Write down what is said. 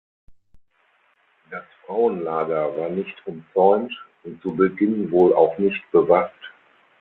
Das Frauenlager war nicht umzäunt und zu Beginn wohl auch nicht bewacht.